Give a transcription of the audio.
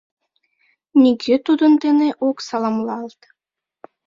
Нигӧ тудын дене ок саламлалт.